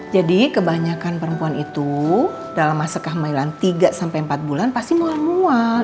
jadi kebanyakan perempuan itu dalam masakah mailan tiga sampai empat bulan pasti mual mual